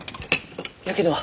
やけどは？